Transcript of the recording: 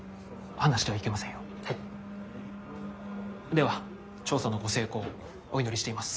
では調査のご成功お祈りしています。